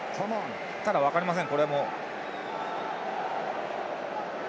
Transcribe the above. ただ、分かりません。